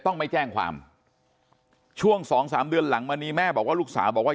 ต้องไม่แจ้งความช่วงสองสามเดือนหลังมานี้แม่บอกว่าลูกสาวบอกว่า